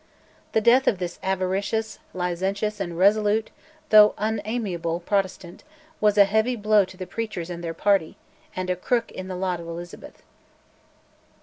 The death of this avaricious, licentious, and resolute though unamiable Protestant was a heavy blow to the preachers and their party, and a crook in the lot of Elizabeth.